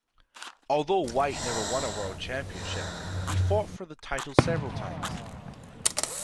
Although White never won a world championship, he fought for the title several times.